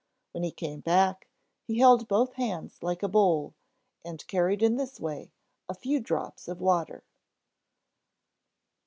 When he came back, he held both hands like a bowl, and carried in this way a few drops of water.